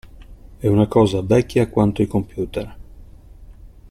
È una cosa vecchia quanto i computer.